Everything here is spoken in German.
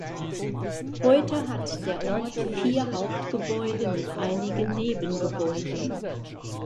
Heute hat der Ort vier Hauptgebäude mit einigen Nebengebäuden.